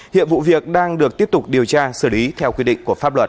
hiện vụ việc đang được tiếp tục điều tra xử lý theo quy định của pháp luật